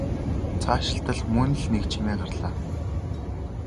Цаашилтал мөн л нэг чимээ гарлаа.